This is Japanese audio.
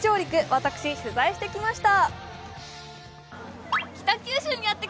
私、取材してきました。